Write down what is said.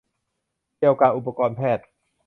เกี่ยวกะอุปกรณ์แพทย์ ?